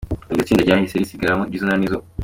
Iryo tsinda ryahise risigaramo Jizo na Nizo.